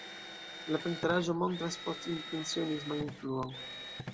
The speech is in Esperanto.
La pentraĵo montras post-impresionisman influon.